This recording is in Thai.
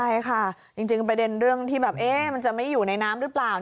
ใช่ค่ะจริงประเด็นเรื่องที่แบบมันจะไม่อยู่ในน้ำหรือเปล่า